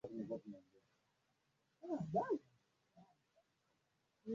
ari hii ya william ruto kule the hague uholanzi